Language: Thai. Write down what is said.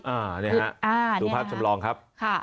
อ่านี่ฮะอ่านี่ฮะสูงภาพจำลองครับค่ะ